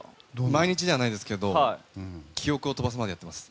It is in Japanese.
毎日ではないですけど記憶を飛ばすまでやっています。